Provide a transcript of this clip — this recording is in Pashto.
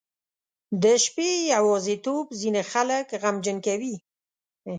• د شپې یوازیتوب ځینې خلک غمجن کوي.